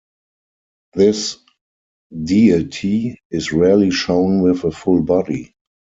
This deity is rarely shown with a full body.